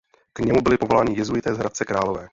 K němu byli povoláni jezuité z Hradce Králové.